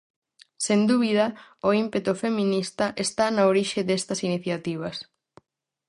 Sen dúbida, o ímpeto feminista está na orixe destas iniciativas.